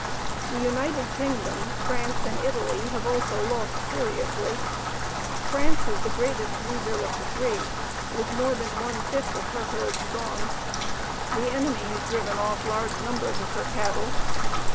The United Kingdom, France, and Italy have also lost seriously. France is the greatest loser of the three, with more than one fifth of her herds gone. The enemy has driven off large numbers of her cattle.